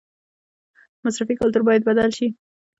مصرفي کلتور باید بدل شي